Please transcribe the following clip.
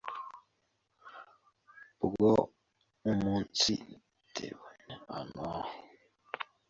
bwo umunsitebone betengiye kwig